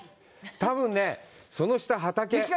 多分ね、その下、畑。